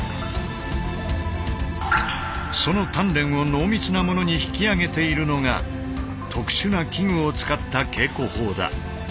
その鍛錬を濃密なものに引き上げているのが特殊な器具を使った稽古法だ。